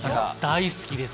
大好きです。